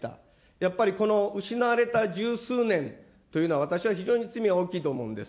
やっぱり失われた十数年というのは、私は非常に罪は大きいと思うんです。